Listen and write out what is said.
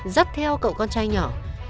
dắt theo cậu con trai nhỏ